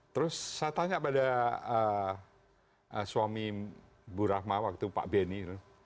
terus saya tanya pada suami bu rahma waktu pak benny